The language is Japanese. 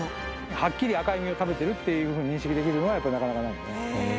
はっきり赤い実を食べてるっていうふうに認識できるのは、やっぱりなかなかない。